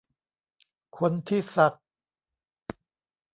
คนที่สัก